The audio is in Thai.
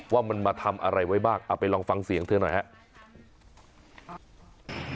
ว่ามันมาทำอะไรไว้บ้างเอาไปลองฟังเสียงเธอหน่อยครับ